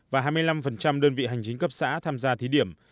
và hai mươi năm đơn vị hành chính cấp xã tham gia thí điểm